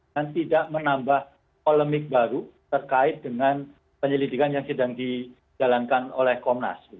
dan tidak menambah polemik baru terkait dengan penyelidikan yang sedang dijalankan oleh komnas